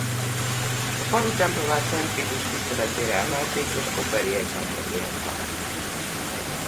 A falu templomát Szent Vitus tiszteletére emelték és koperi egyházmegyéhez tartozik.